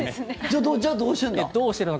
じゃあどうしてるんだ？